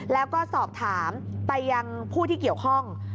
แล้วก็สอบถามไปยังผู้ที่เกี่ยวข้อง